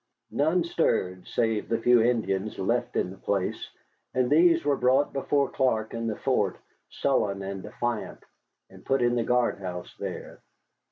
None stirred save the few Indians left in the place, and these were brought before Clark in the fort, sullen and defiant, and put in the guard house there.